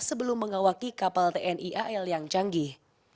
sebelum mengawaki kapal tni al yang canggih